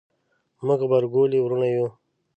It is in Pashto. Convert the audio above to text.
موږ غبرګولي وروڼه یو